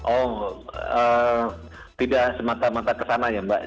oh tidak semata mata ke sana ya mbak